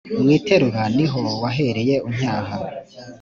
mwiterura niho wahereye uncyaha